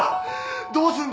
どうすんだ！？